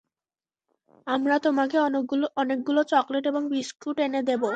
আমরা তোমাকে অনেকগুলো চকলেট এবং বিস্কুট এনে দেব।